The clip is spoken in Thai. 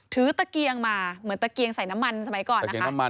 ตะเกียงมาเหมือนตะเกียงใส่น้ำมันสมัยก่อนนะคะ